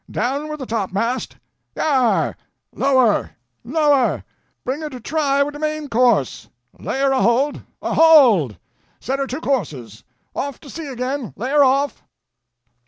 Down with the topmast! yare! lower, lower! Bring her to try wi' the main course.... Lay her a hold, a hold! Set her two courses. Off to sea again; lay her off.